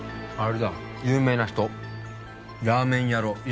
あれだ有名な人ラーメン野郎